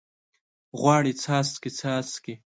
غواړي څاڅکي، څاڅکي